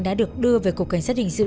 đã được đưa về cục cảnh sát hình sự